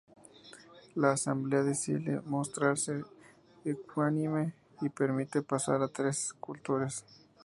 La asamblea decide mostrarse ecuánime y permite pasar a tres escultores.